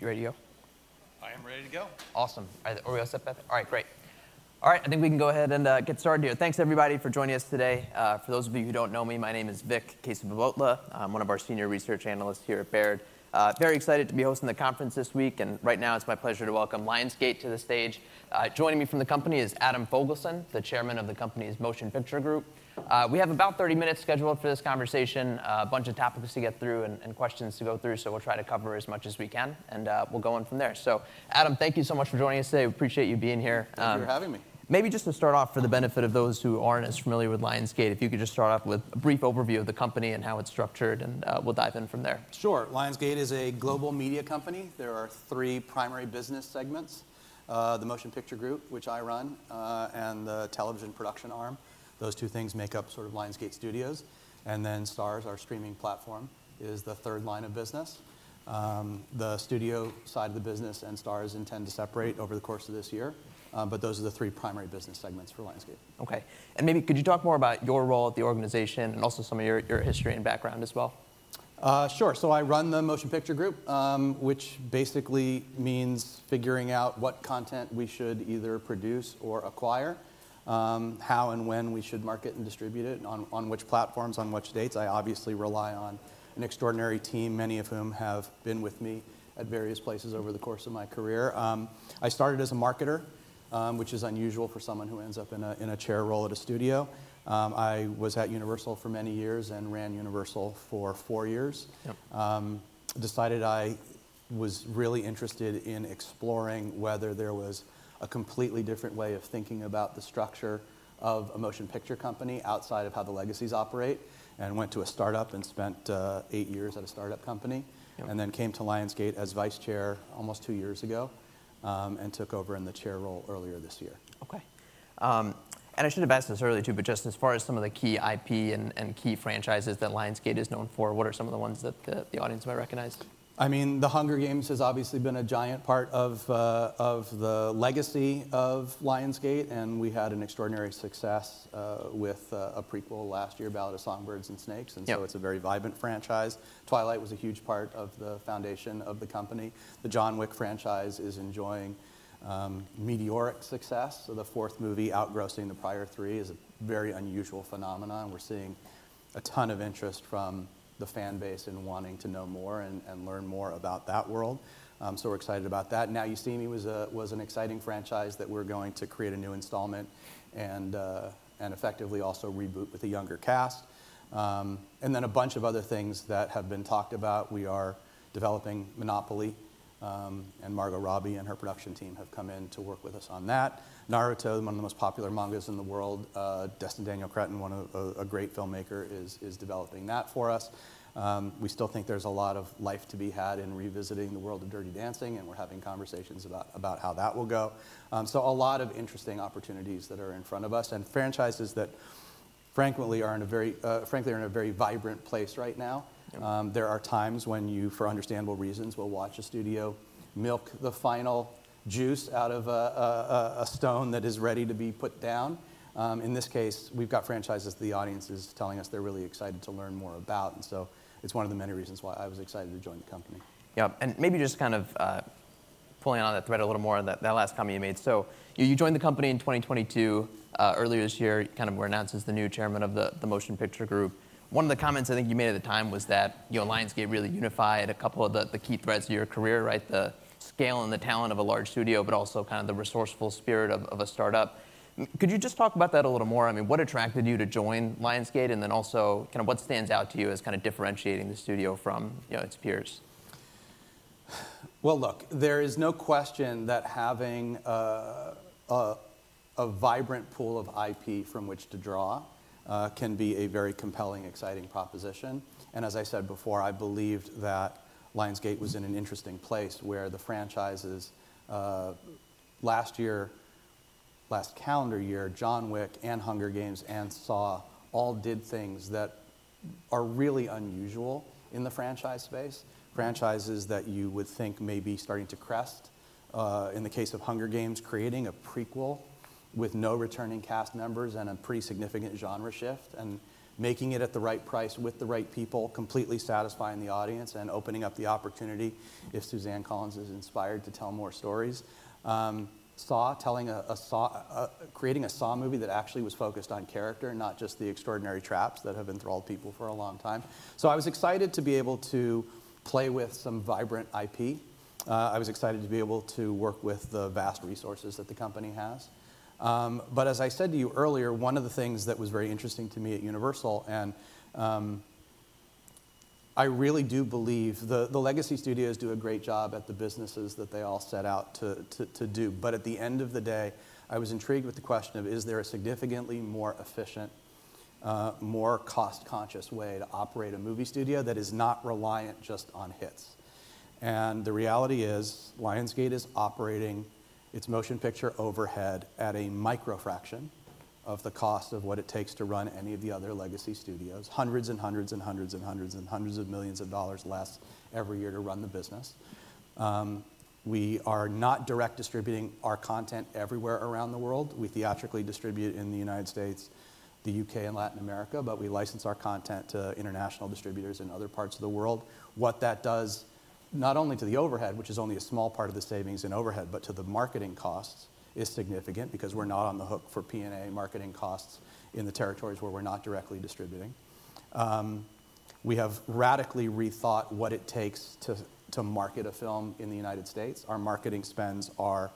All right, you ready to go? I am ready to go. Awesome. Are we all set back there? All right, great. All right, I think we can go ahead and get started here. Thanks, everybody, for joining us today. For those of you who don't know me, my name is Vik Kesavabhotla. I'm one of our Senior Research Analysts here at Baird. Very excited to be hosting the conference this week, and right now it's my pleasure to welcome Lionsgate to the stage. Joining me from the company is Adam Fogelson, the Chairman of the company's Motion Picture Group. We have about 30 minutes scheduled for this conversation, a bunch of topics to get through and questions to go through, so we'll try to cover as much as we can, and we'll go on from there. So Adam, thank you so much for joining us today. We appreciate you being here. Thank you for having me. Maybe just to start off, for the benefit of those who aren't as familiar with Lionsgate, if you could just start off with a brief overview of the company and how it's structured and, we'll dive in from there. Sure. Lionsgate is a global media company. There are three primary business segments. The Motion Picture Group, which I run, and the Television Production arm. Those two things make up sort of Lionsgate Studios, and then STARZ, our streaming platform, is the third line of business. The studio side of the business and STARZ intend to separate over the course of this year, but those are the three primary business segments for Lionsgate. Okay, and maybe could you talk more about your role at the organization and also some of your, your history and background as well? Sure. So I run the Motion Picture Group, which basically means figuring out what content we should either produce or acquire, how and when we should market and distribute it, on which platforms, on which dates. I obviously rely on an extraordinary team, many of whom have been with me at various places over the course of my career. I started as a marketer, which is unusual for someone who ends up in a chair role at a studio. I was at Universal for many years and ran Universal for four years. Yep. Decided I was really interested in exploring whether there was a completely different way of thinking about the structure of a motion picture company outside of how the legacies operate and went to a startup and spent eight years at a startup company. Yep. Then came to Lionsgate as Vice Chair almost two years ago, and took over in the Chair role earlier this year. Okay. I should have asked this earlier, too, but just as far as some of the key IP and key franchises that Lionsgate is known for, what are some of the ones that the audience might recognize? I mean, The Hunger Games has obviously been a giant part of the legacy of Lionsgate, and we had an extraordinary success with a prequel last year, Ballad of Songbirds and Snakes. Yeah. It's a very vibrant franchise. Twilight was a huge part of the foundation of the company. The John Wick franchise is enjoying meteoric success, so the fourth movie outgrossing the prior three is a very unusual phenomenon. We're seeing a ton of interest from the fan base in wanting to know more and learn more about that world. So we're excited about that. Now You See Me was an exciting franchise that we're going to create a new installment and effectively also reboot with a younger cast. And then a bunch of other things that have been talked about. We are developing Monopoly, and Margot Robbie and her production team have come in to work with us on that. Naruto, one of the most popular mangas in the world, Destin Daniel Cretton, one of a great filmmaker, is developing that for us. We still think there's a lot of life to be had in revisiting the world of Dirty Dancing, and we're having conversations about how that will go. So a lot of interesting opportunities that are in front of us, and franchises that frankly are in a very vibrant place right now. Yep. There are times when you, for understandable reasons, will watch a studio milk the final juice out of a stone that is ready to be put down. In this case, we've got franchises the audience is telling us they're really excited to learn more about, and so it's one of the many reasons why I was excited to join the company. Yeah, and maybe just kind of pulling on that thread a little more, on that, that last comment you made. So you, you joined the company in 2022, earlier this year, kind of were announced as the new Chairman of the Motion Picture Group. One of the comments I think you made at the time was that, you know, Lionsgate really unified a couple of the, the key threads of your career, right? The scale and the talent of a large studio, but also kind of the resourceful spirit of, of a startup. Could you just talk about that a little more? I mean, what attracted you to join Lionsgate, and then also kind of what stands out to you as kind of differentiating the studio from, you know, its peers? Well, look, there is no question that having a vibrant pool of IP from which to draw can be a very compelling, exciting proposition, and as I said before, I believed that Lionsgate was in an interesting place where the franchises. Last year, last calendar year, John Wick and Hunger Games and Saw all did things that are really unusual in the franchise space. Franchises that you would think may be starting to crest. In the case of Hunger Games, creating a prequel with no returning cast members and a pretty significant genre shift, and making it at the right price with the right people, completely satisfying the audience and opening up the opportunity if Suzanne Collins is inspired to tell more stories. Saw, creating a Saw movie that actually was focused on character, not just the extraordinary traps that have enthralled people for a long time. So I was excited to be able to play with some vibrant IP. I was excited to be able to work with the vast resources that the company has. But as I said to you earlier, one of the things that was very interesting to me at Universal, and I really do believe the Legacy studios do a great job at the businesses that they all set out to do. But at the end of the day, I was intrigued with the question of: Is there a significantly more efficient, more cost-conscious way to operate a movie studio that is not reliant just on hits? The reality is, Lionsgate is operating its motion picture overhead at a micro fraction of the cost of what it takes to run any of the other Legacy studios. Hundreds and hundreds and hundreds and hundreds and hundreds of millions of dollars less every year to run the business. We are not directly distributing our content everywhere around the world. We theatrically distribute in the United States, the U.K., and Latin America, but we license our content to international distributors in other parts of the world. What that does, not only to the overhead, which is only a small part of the savings in overhead, but to the marketing costs, is significant because we're not on the hook for P&A marketing costs in the territories where we're not directly distributing. We have radically rethought what it takes to market a film in the United States. Our marketing spends are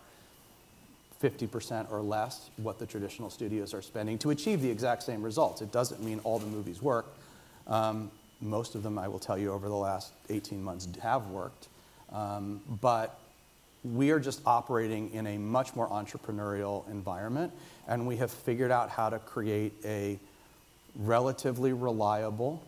50% or less what the traditional studios are spending to achieve the exact same results. It doesn't mean all the movies work. Most of them, I will tell you, over the last 18 months have worked, but we are just operating in a much more entrepreneurial environment, and we have figured out how to create a relatively reliable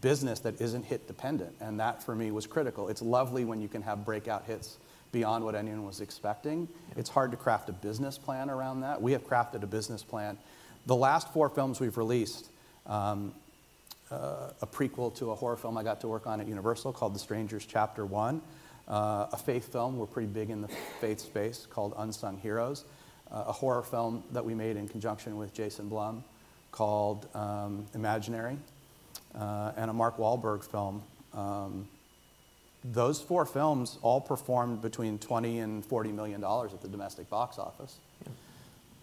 business that isn't hit-dependent, and that, for me, was critical. It's lovely when you can have breakout hits beyond what anyone was expecting. It's hard to craft a business plan around that. We have crafted a business plan. The last four films we've released, a prequel to a horror film I got to work on at Universal called The Strangers: Chapter One, a faith film, we're pretty big in the faith space, called Unsung Heroes, a horror film that we made in conjunction with Jason Blum called Imaginary, and a Mark Wahlberg film. Those four films all performed between $20 million and $40 million at the domestic box office. Yeah.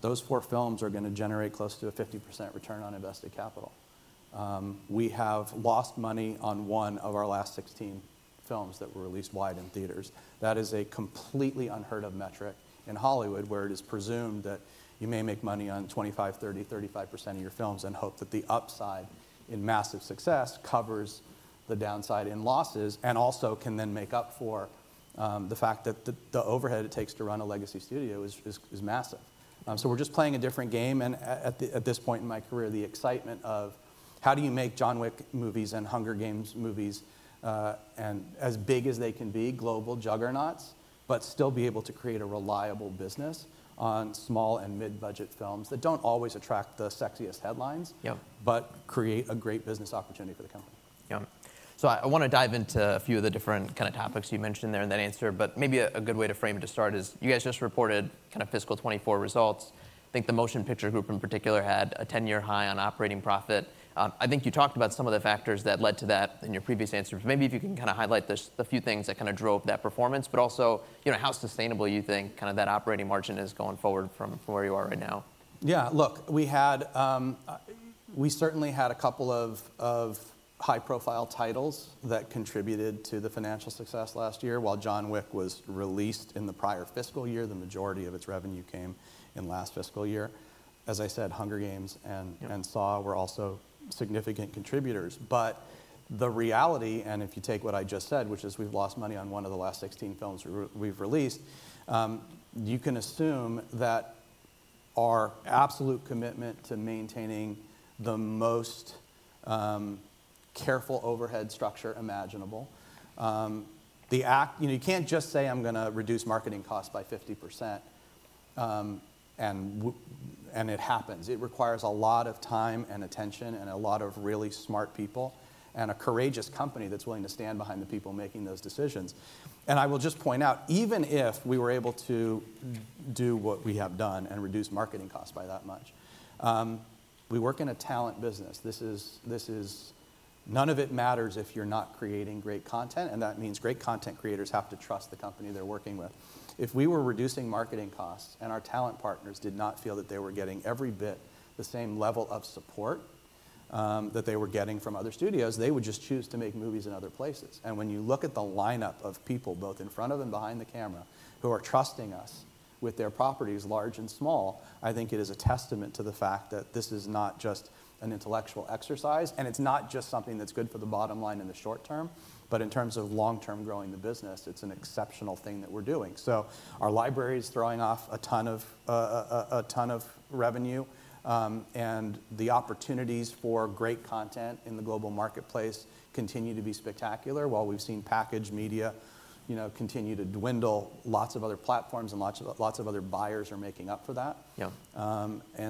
Those four films are gonna generate close to a 50% return on invested capital. We have lost money on one of our last 16 films that were released wide in theaters. That is a completely unheard of metric in Hollywood, where it is presumed that you may make money on 25%, 30%, 35% of your films and hope that the upside in massive success covers the downside in losses, and also can then make up for the fact that the overhead it takes to run a legacy studio is massive. So we're just playing a different game, and at this point in my career, the excitement of how do you make John Wick movies and Hunger Games movies, and as big as they can be, global juggernauts, but still be able to create a reliable business on small and mid-budget films that don't always attract the sexiest headlines- Yeah. -but create a great business opportunity for the company. Yeah. So I want to dive into a few of the different kind of topics you mentioned there in that answer, but maybe a good way to frame to start is, you guys just reported kind of fiscal 2024 results. I think the Motion Picture Group, in particular, had a 10-year high on operating profit. I think you talked about some of the factors that led to that in your previous answers. Maybe if you can kind of highlight the few things that kind of drove that performance, but also, you know, how sustainable you think kind of that operating margin is going forward from where you are right now. Yeah, look, we certainly had a couple of high-profile titles that contributed to the financial success last year. While John Wick was released in the prior fiscal year, the majority of its revenue came in last fiscal year. As I said, Hunger Games and- Yeah.... and Saw were also significant contributors. But the reality, and if you take what I just said, which is we've lost money on one of the last 16 films we've released, you can assume that our absolute commitment to maintaining the most careful overhead structure imaginable. You know, you can't just say: "I'm gonna reduce marketing costs by 50%," and it happens. It requires a lot of time and attention, and a lot of really smart people, and a courageous company that's willing to stand behind the people making those decisions. And I will just point out, even if we were able to do what we have done and reduce marketing costs by that much, we work in a talent business. None of it matters if you're not creating great content, and that means great content creators have to trust the company they're working with. If we were reducing marketing costs, and our talent partners did not feel that they were getting every bit the same level of support that they were getting from other studios, they would just choose to make movies in other places. When you look at the lineup of people, both in front of and behind the camera, who are trusting us with their properties, large and small, I think it is a testament to the fact that this is not just an intellectual exercise, and it's not just something that's good for the bottom line in the short term, but in terms of long-term growing the business, it's an exceptional thing that we're doing. So our library is throwing off a ton of, a ton of revenue, and the opportunities for great content in the global marketplace continue to be spectacular. While we've seen packaged media, you know, continue to dwindle, lots of other platforms and lots of, lots of other buyers are making up for that. Yeah.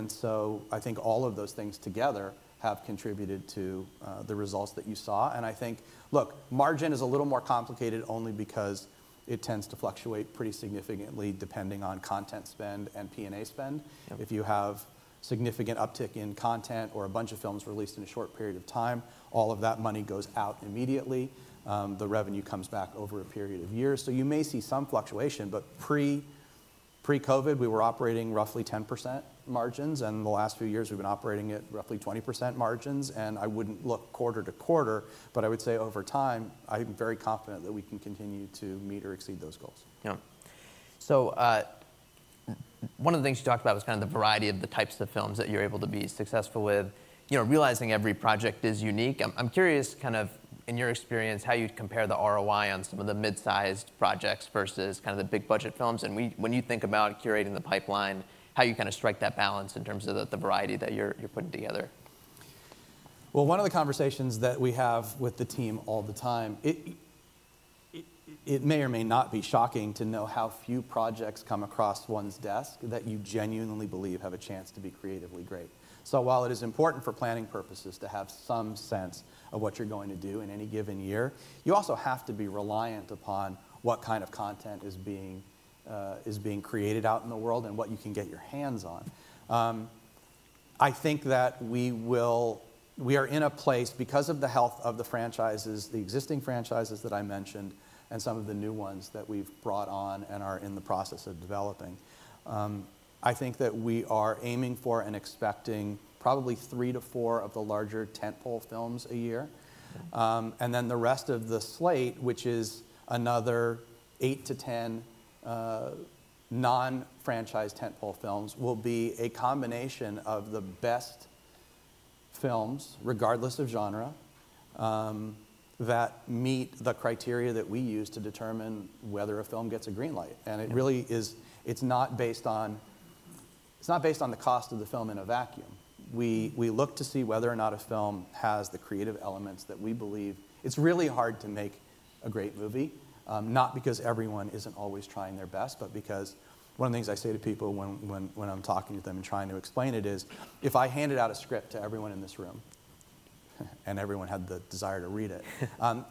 So I think all of those things together have contributed to the results that you saw. And I think, look, margin is a little more complicated only because it tends to fluctuate pretty significantly depending on content spend and P&A spend. Yeah. If you have significant uptick in content or a bunch of films released in a short period of time, all of that money goes out immediately. The revenue comes back over a period of years, so you may see some fluctuation, but pre-COVID, we were operating roughly 10% margins, and the last few years we've been operating at roughly 20% margins. I wouldn't look quarter to quarter, but I would say over time, I'm very confident that we can continue to meet or exceed those goals. Yeah. So, one of the things you talked about was kind of the variety of the types of films that you're able to be successful with. You know, realizing every project is unique, I'm curious, kind of, in your experience, how you'd compare the ROI on some of the mid-sized projects versus kind of the big budget films. And when you think about curating the pipeline, how you kind of strike that balance in terms of the variety that you're putting together? Well, one of the conversations that we have with the team all the time, it may or may not be shocking to know how few projects come across one's desk that you genuinely believe have a chance to be creatively great. So while it is important for planning purposes to have some sense of what you're going to do in any given year, you also have to be reliant upon what kind of content is being created out in the world and what you can get your hands on. I think that we are in a place, because of the health of the franchises, the existing franchises that I mentioned, and some of the new ones that we've brought on and are in the process of developing. I think that we are aiming for and expecting probably three to four of the larger tentpole films a year. And then the rest of the slate, which is another eight to 10 non-franchise tentpole films, will be a combination of the best films, regardless of genre, that meet the criteria that we use to determine whether a film gets a green light. And it really is it's not based on, it's not based on the cost of the film in a vacuum. We look to see whether or not a film has the creative elements that we believe. It's really hard to make a great movie, not because everyone isn't always trying their best, but because one of the things I say to people when I'm talking to them and trying to explain it is, if I handed out a script to everyone in this room, and everyone had the desire to read it.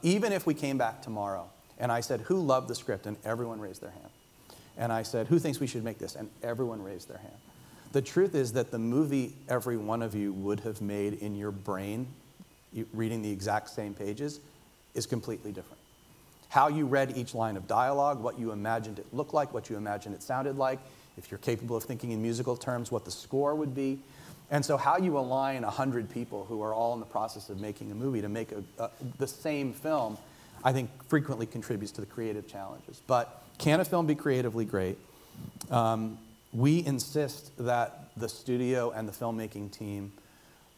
Even if we came back tomorrow, and I said, "Who loved the script?" And everyone raised their hand, and I said, "Who thinks we should make this?" And everyone raised their hand. The truth is that the movie every one of you would have made in your brain, you reading the exact same pages, is completely different. How you read each line of dialogue, what you imagined it looked like, what you imagined it sounded like, if you're capable of thinking in musical terms, what the score would be. And so how you align 100 people who are all in the process of making a movie to make a, the same film, I think frequently contributes to the creative challenges. But can a film be creatively great? We insist that the studio and the filmmaking team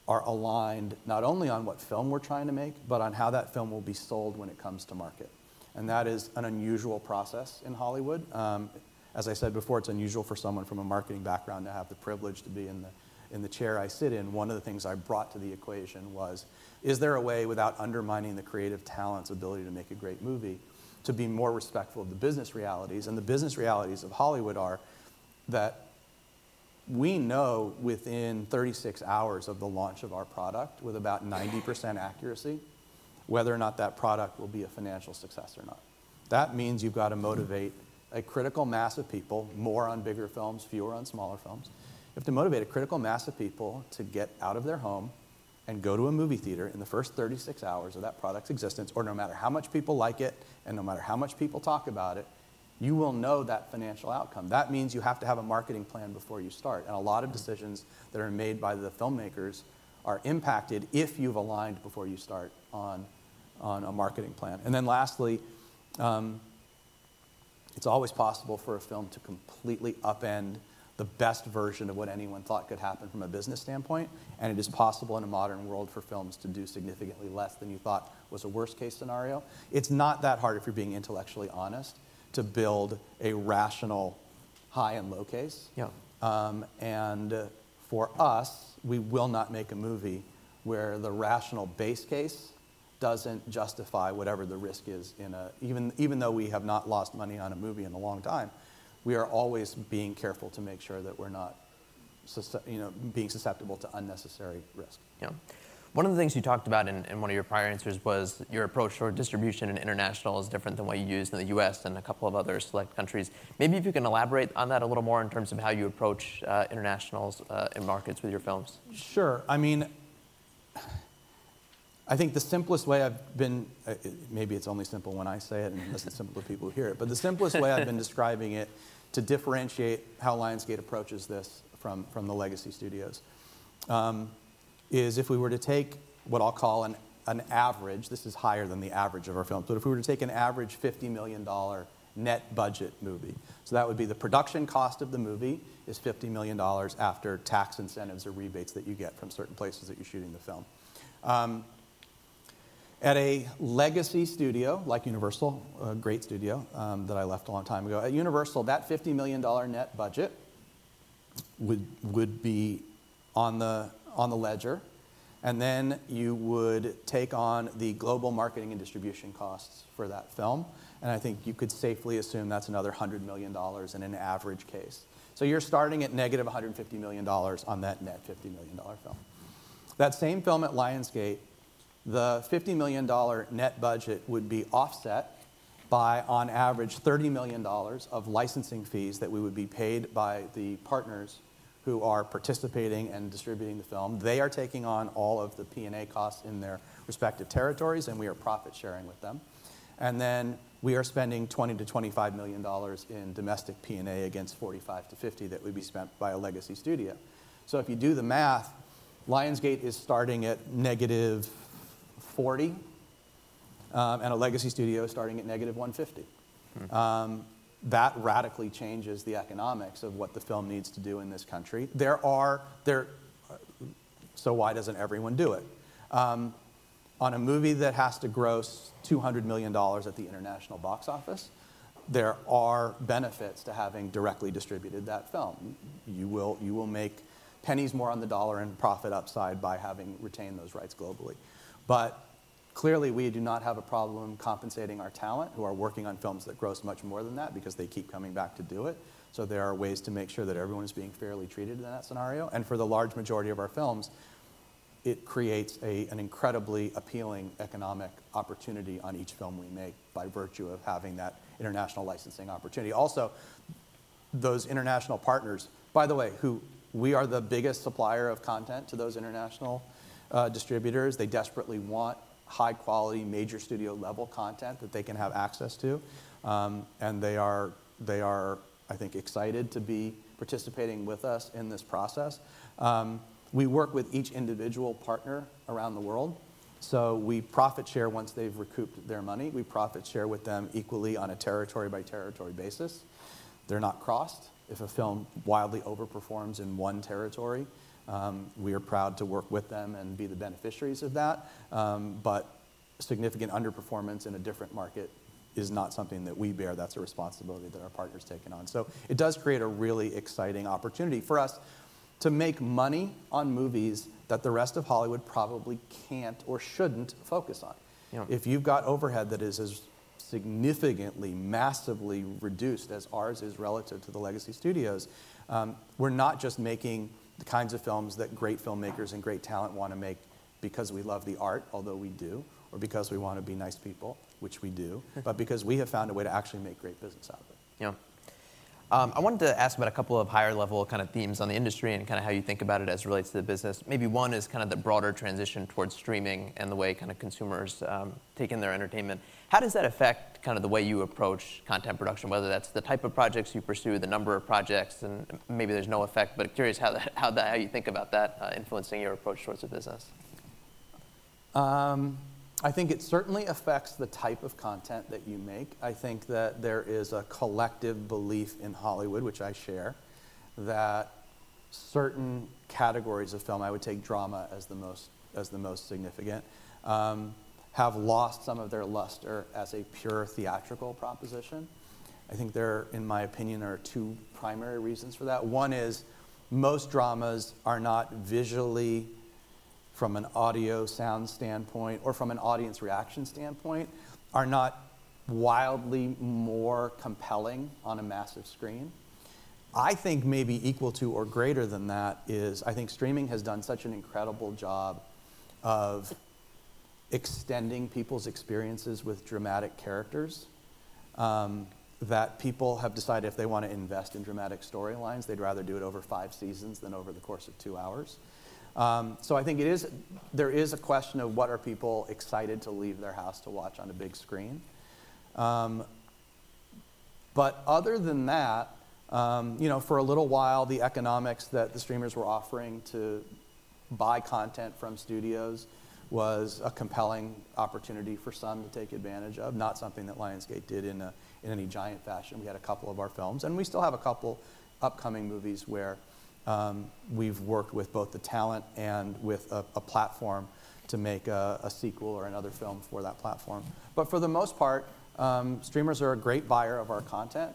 are aligned not only on what film we're trying to make, but on how that film will be sold when it comes to market, and that is an unusual process in Hollywood. As I said before, it's unusual for someone from a marketing background to have the privilege to be in the chair I sit in. One of the things I brought to the equation was: Is there a way, without undermining the creative talent's ability to make a great movie, to be more respectful of the business realities? And the business realities of Hollywood are that we know within 36 hours of the launch of our product, with about 90% accuracy, whether or not that product will be a financial success or not. That means you've got to motivate a critical mass of people, more on bigger films, fewer on smaller films. You have to motivate a critical mass of people to get out of their home and go to a movie theater in the first 36 hours of that product's existence, or no matter how much people like it, and no matter how much people talk about it, you will know that financial outcome. That means you have to have a marketing plan before you start, and a lot of decisions that are made by the filmmakers are impacted if you've aligned before you start on, on a marketing plan. And then lastly, it's always possible for a film to completely upend the best version of what anyone thought could happen from a business standpoint, and it is possible in a modern world for films to do significantly less than you thought was a worst-case scenario. It's not that hard if you're being intellectually honest, to build a rational high and low case. Yeah. And for us, we will not make a movie where the rational base case doesn't justify whatever the risk is in a... Even though we have not lost money on a movie in a long time, we are always being careful to make sure that we're not, you know, being susceptible to unnecessary risk. Yeah. One of the things you talked about in one of your prior answers was your approach toward distribution and international is different than what you used in the U.S. and a couple of other select countries. Maybe if you can elaborate on that a little more in terms of how you approach international markets with your films. Sure. I mean, I think the simplest way I've been, maybe it's only simple when I say it and less simple to people who hear it. But the simplest way I've been describing it, to differentiate how Lionsgate approaches this from the Legacy studios, is if we were to take what I'll call an average, this is higher than the average of our films, but if we were to take an average $50 million net budget movie, so that would be the production cost of the movie, is $50 million after tax incentives or rebates that you get from certain places that you're shooting the film. At a legacy studio, like Universal, a great studio, that I left a long time ago. At Universal, that $50 million net budget would be on the ledger, and then you would take on the global marketing and distribution costs for that film, and I think you could safely assume that's another $100 million in an average case. So you're starting at -$150 million on that net $50 million film. That same film at Lionsgate, the $50 million net budget would be offset by, on average, $30 million of licensing fees that we would be paid by the partners who are participating and distributing the film. They are taking on all of the P&A costs in their respective territories, and we are profit-sharing with them. And then we are spending $20 million-$25 million in domestic P&A against $45 million-$50 million that would be spent by a legacy studio. If you do the math, Lionsgate is starting at -$40 million, and a legacy studio is starting at -$150 million. Hmm. That radically changes the economics of what the film needs to do in this country. There are, so why doesn't everyone do it? On a movie that has to gross $200 million at the international box office, there are benefits to having directly distributed that film. You will make pennies more on the dollar in profit upside by having retained those rights globally. But clearly, we do not have a problem compensating our talent who are working on films that gross much more than that because they keep coming back to do it. So there are ways to make sure that everyone is being fairly treated in that scenario, and for the large majority of our films, it creates an incredibly appealing economic opportunity on each film we make by virtue of having that international licensing opportunity. Also, those international partners, by the way, who we are the biggest supplier of content to those international distributors. They desperately want high-quality, major studio-level content that they can have access to, and they are, I think, excited to be participating with us in this process. We work with each individual partner around the world, so we profit share once they've recouped their money. We profit share with them equally on a territory-by-territory basis. They're not crossed. If a film wildly overperforms in one territory, we are proud to work with them and be the beneficiaries of that. But significant underperformance in a different market is not something that we bear. That's a responsibility that our partner's taken on. It does create a really exciting opportunity for us to make money on movies that the rest of Hollywood probably can't or shouldn't focus on. Yeah. If you've got overhead that is as significantly, massively reduced as ours is relative to the Legacy studios, we're not just making the kinds of films that great filmmakers and great talent want to make because we love the art, although we do, or because we want to be nice people, which we do but because we have found a way to actually make great business out there. Yeah. I wanted to ask about a couple of higher-level kind of themes on the industry and kinda how you think about it as it relates to the business. Maybe one is kind of the broader transition towards streaming and the way kinda consumers take in their entertainment. How does that affect kind of the way you approach content production, whether that's the type of projects you pursue, the number of projects, and maybe there's no effect, but curious how that, how that, how you think about that influencing your approach towards the business? I think it certainly affects the type of content that you make. I think that there is a collective belief in Hollywood, which I share, that certain categories of film, I would take drama as the most significant, have lost some of their luster as a pure theatrical proposition. I think there are, in my opinion, two primary reasons for that. One is most dramas are not visually, from an audio sound standpoint or from an audience reaction standpoint, wildly more compelling on a massive screen. I think maybe equal to or greater than that is, I think streaming has done such an incredible job of extending people's experiences with dramatic characters, that people have decided if they want to invest in dramatic storylines, they'd rather do it over five seasons than over the course of two hours. So I think it is. There is a question of what are people excited to leave their house to watch on a big screen? But other than that, you know, for a little while, the economics that the streamers were offering to buy content from studios was a compelling opportunity for some to take advantage of, not something that Lionsgate did in any giant fashion. We had a couple of our films, and we still have a couple upcoming movies where we've worked with both the talent and with a platform to make a sequel or another film for that platform. But for the most part, streamers are a great buyer of our content.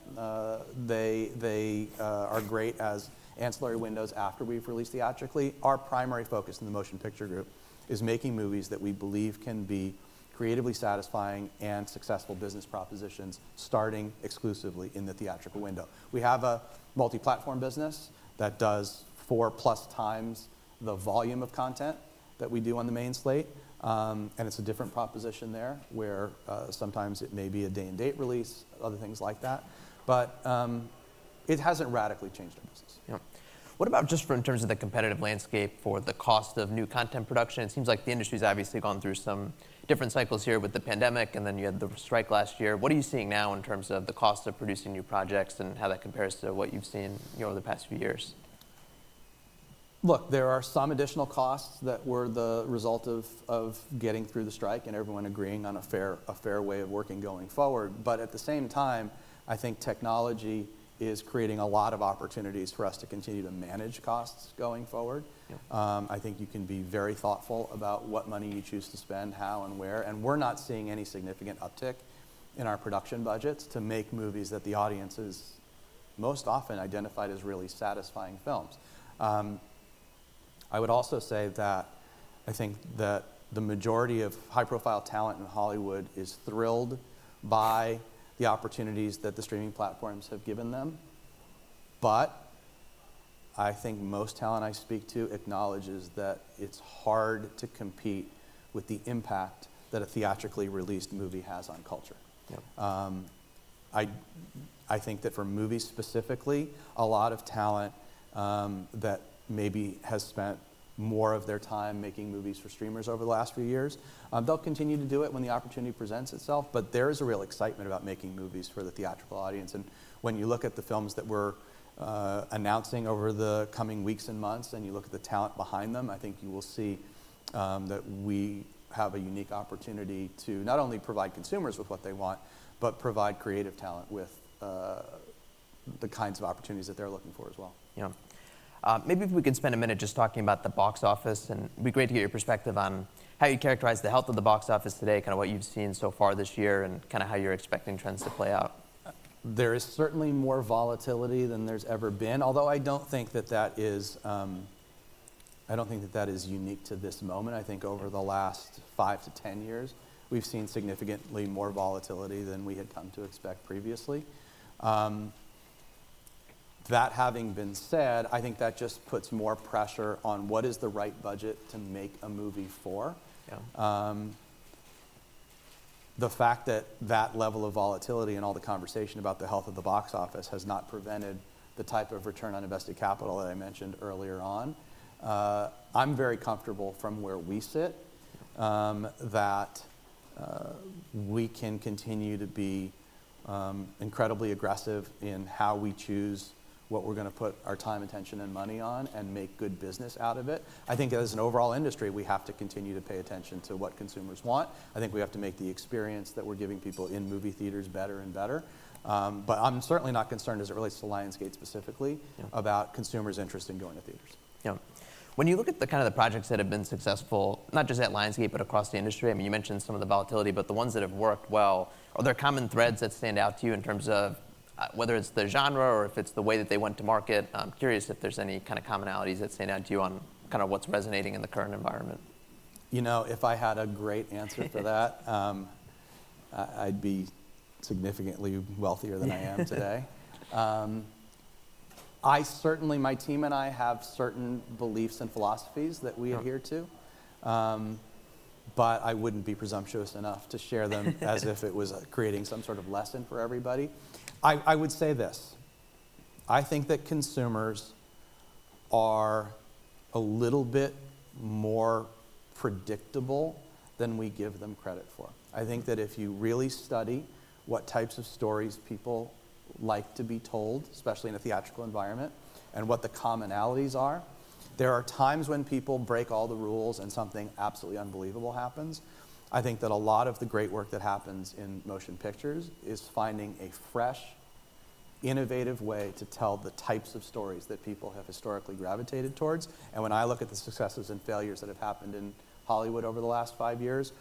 They are great as ancillary windows after we've released theatrically. Our primary focus in the Motion Picture Group is making movies that we believe can be creatively satisfying and successful business propositions, starting exclusively in the theatrical window. We have a multi-platform business that does 4+ times the volume of content that we do on the main slate, and it's a different proposition there, where, sometimes it may be a day-and-date release, other things like that. But, it hasn't radically changed our business. Yeah. What about just for in terms of the competitive landscape for the cost of new content production? It seems like the industry's obviously gone through some different cycles here with the pandemic, and then you had the strike last year. What are you seeing now in terms of the cost of producing new projects and how that compares to what you've seen, you know, over the past few years? Look, there are some additional costs that were the result of getting through the strike and everyone agreeing on a fair way of working going forward. But at the same time, I think technology is creating a lot of opportunities for us to continue to manage costs going forward. Yeah. I think you can be very thoughtful about what money you choose to spend, how and where, and we're not seeing any significant uptick in our production budgets to make movies that the audiences most often identified as really satisfying films. I would also say that I think that the majority of high-profile talent in Hollywood is thrilled by the opportunities that the streaming platforms have given them. But I think most talent I speak to acknowledges that it's hard to compete with the impact that a theatrically released movie has on culture. Yep. I think that for movies specifically, a lot of talent that maybe has spent more of their time making movies for streamers over the last few years, they'll continue to do it when the opportunity presents itself, but there is a real excitement about making movies for the theatrical audience. When you look at the films that we're announcing over the coming weeks and months, and you look at the talent behind them, I think you will see that we have a unique opportunity to not only provide consumers with what they want, but provide creative talent with the kinds of opportunities that they're looking for as well. Yeah. Maybe if we could spend a minute just talking about the box office, and it'd be great to get your perspective on how you'd characterize the health of the box office today, kind of what you've seen so far this year, and kind of how you're expecting trends to play out. There is certainly more volatility than there's ever been, although I don't think that that is unique to this moment. I think over the last five to 10 years, we've seen significantly more volatility than we had come to expect previously. That having been said, I think that just puts more pressure on what is the right budget to make a movie for? Yeah. The fact that that level of volatility and all the conversation about the health of the box office has not prevented the type of return on invested capital that I mentioned earlier on, I'm very comfortable from where we sit, that we can continue to be incredibly aggressive in how we choose what we're gonna put our time, attention, and money on and make good business out of it. I think as an overall industry, we have to continue to pay attention to what consumers want. I think we have to make the experience that we're giving people in movie theaters better and better. But I'm certainly not concerned as it relates to Lionsgate specifically- Yeah... about consumers' interest in going to theaters. Yeah. When you look at the kind of the projects that have been successful, not just at Lionsgate, but across the industry, I mean, you mentioned some of the volatility, but the ones that have worked well, are there common threads that stand out to you in terms of whether it's the genre or if it's the way that they went to market? I'm curious if there's any kind of commonalities that stand out to you on kind of what's resonating in the current environment. You know, if I had a great answer to that... I'd be significantly wealthier than I am today. I certainly, my team and I have certain beliefs and philosophies that we adhere to. Yeah. But I wouldn't be presumptuous enough to share them as if it was creating some sort of lesson for everybody. I would say this: I think that consumers are a little bit more predictable than we give them credit for. I think that if you really study what types of stories people like to be told, especially in a theatrical environment, and what the commonalities are, there are times when people break all the rules and something absolutely unbelievable happens. I think that a lot of the great work that happens in motion pictures is finding a fresh, innovative way to tell the types of stories that people have historically gravitated towards. And when I look at the successes and failures that have happened in Hollywood over the last five years,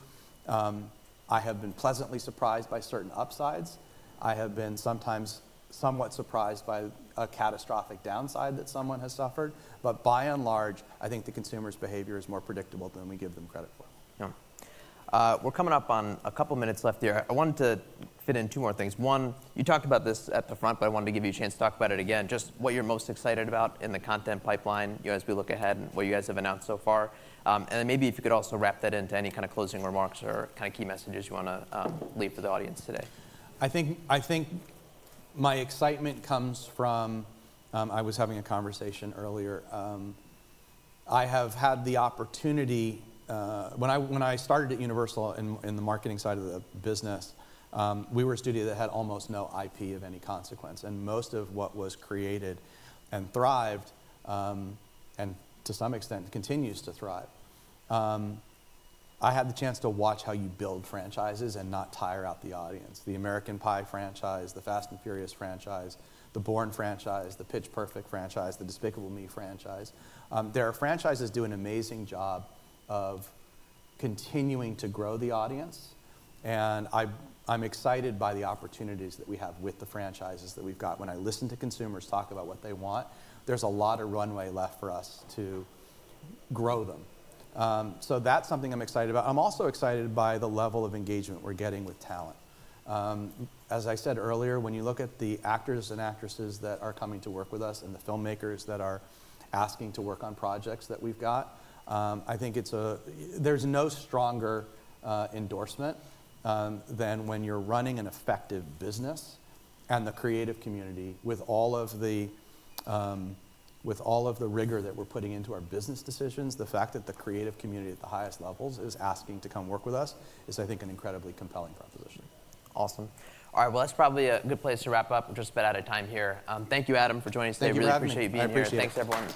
I have been pleasantly surprised by certain upsides. I have been sometimes somewhat surprised by a catastrophic downside that someone has suffered. But by and large, I think the consumer's behavior is more predictable than we give them credit for. Yeah. We're coming up on a couple of minutes left here. I wanted to fit in two more things. One, you talked about this at the front, but I wanted to give you a chance to talk about it again, just what you're most excited about in the content pipeline, you know, as we look ahead and what you guys have announced so far. And then maybe if you could also wrap that into any kind of closing remarks or kind of key messages you want to leave for the audience today. I think, I think my excitement comes from. I was having a conversation earlier. I have had the opportunity, when I, when I started at Universal in, in the marketing side of the business, we were a studio that had almost no IP of any consequence, and most of what was created and thrived, and to some extent continues to thrive. I had the chance to watch how you build franchises and not tire out the audience. The American Pie franchise, the Fast & Furious franchise, the Bourne franchise, the Pitch Perfect franchise, the Despicable Me franchise. Their franchises do an amazing job of continuing to grow the audience, and I'm, I'm excited by the opportunities that we have with the franchises that we've got. When I listen to consumers talk about what they want, there's a lot of runway left for us to grow them. So that's something I'm excited about. I'm also excited by the level of engagement we're getting with talent. As I said earlier, when you look at the actors and actresses that are coming to work with us and the filmmakers that are asking to work on projects that we've got, I think it's. There's no stronger endorsement than when you're running an effective business and the creative community with all of the, with all of the rigor that we're putting into our business decisions, the fact that the creative community at the highest levels is asking to come work with us is, I think, an incredibly compelling proposition. Awesome. All right, well, that's probably a good place to wrap up. We're just about out of time here. Thank you, Adam, for joining us today. Thank you for having me. I really appreciate you being here. I appreciate it. Thanks, everyone.